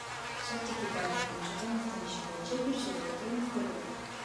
Сот Текебаев менен Чотоновдун иши боюнча бир жолу отурум өткөргөн.